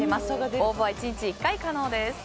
応募は１日１回可能です。